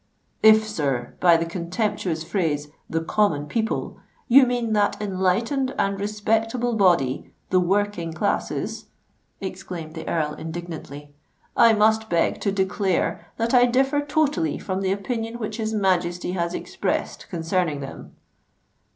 "If, sir, by the contemptuous phrase 'the common people,' you mean that enlightened and respectable body—the working classes," exclaimed the Earl indignantly, "I must beg to declare that I differ totally from the opinion which his Majesty has expressed concerning them."